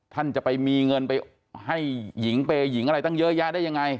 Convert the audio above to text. ท่านจะไปมีเงินไปให้หญิงเปย์หญิงอะไรตั้งเยอะแยะได้ยังไง